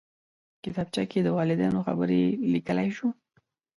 کتابچه کې د والدینو خبرې لیکلی شو